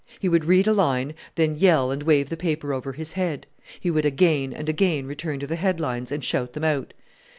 He would read a line, then yell and wave the paper over his head. He would again and again return to the headlines and shout them out.